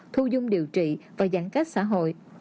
thu dung điều trị và giãn cách xã hội